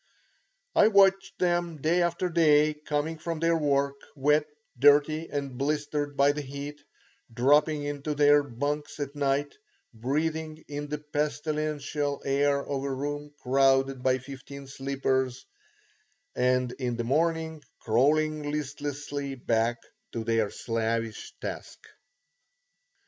I watched them day after day coming from their work, wet, dirty, and blistered by the heat; dropping into their bunks at night, breathing in the pestilential air of a room crowded by fifteen sleepers, and in the morning crawling listlessly back to their slavish task.